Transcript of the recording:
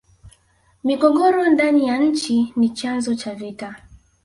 migogoro ndani ya nchi ni chanzo cha vita